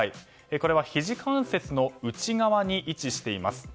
これは、ひじ関節の内側に位置しています。